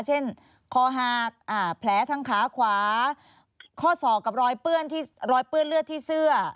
คอหากแผลทางขาขวาข้อศอกกับรอยเปื้อนเลือดที่เสื้อ